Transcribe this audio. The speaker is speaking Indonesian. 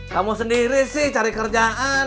kamu sendiri sih cari kerjaan